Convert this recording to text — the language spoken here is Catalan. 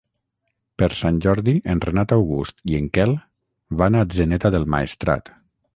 Per Sant Jordi en Renat August i en Quel van a Atzeneta del Maestrat.